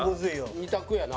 ２択やな。